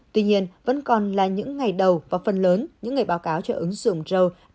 tuy nhiên vẫn còn là những ngày đầu và phần lớn những ngày báo cáo cho ứng dụng joe